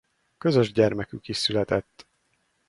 Közös gyermekük is született.